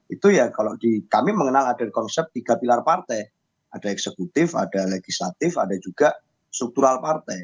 itu ya kalau kami mengenal ada konsep tiga pilar partai ada eksekutif ada legislatif ada juga struktural partai